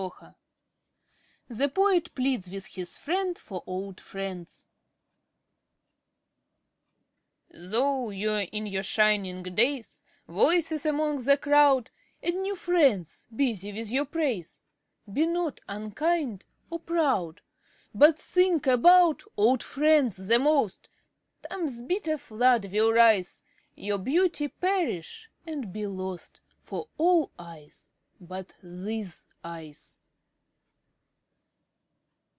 53 THE POET PLEADS WITH HIS FRIEND FOR OLD FRIENDS Though you are in your shining days, Voices among the crowd And new friends busy with your praise, Be not unkind or proud, But think about old friends the most : Time's bitter flood will rise, Your beauty perish and be lost For all eyes but these eyes.